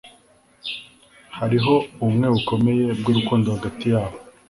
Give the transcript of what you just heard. Hariho ubumwe bukomeye bwurukundo hagati yabo.